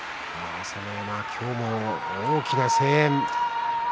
朝乃山、今日も大きな声援です。